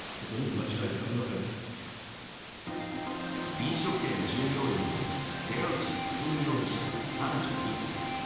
飲食店従業員の寺内進容疑者、３１歳。